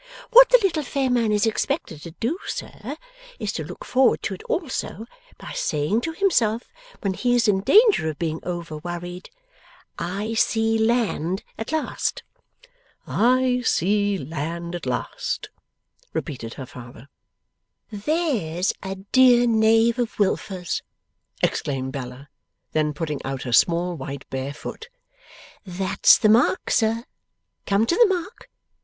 What the little fair man is expected to do, sir, is to look forward to it also, by saying to himself when he is in danger of being over worried, "I see land at last!" 'I see land at last!' repeated her father. 'There's a dear Knave of Wilfers!' exclaimed Bella; then putting out her small white bare foot, 'That's the mark, sir. Come to the mark.